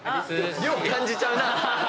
涼感じちゃうな。